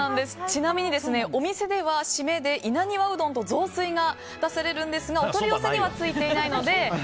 ちなみにお店では締めで稲庭うどんと雑炊が出されるんですがお取り寄せにはついていないので。